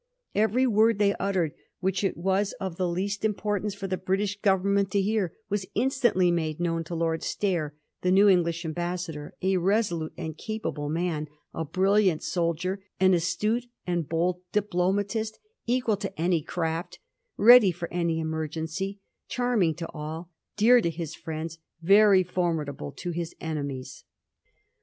Every word they uttered which it was of the least importance for the British Government to hear, was instantly made known to Lord Stair, the new English Ambassador — a resolute and capable man, a brilliant soldier, an astute and bold diplomatist, equal to any craft, ready for any emergency, charming to all, dear to his friends, very formidable to his enemies.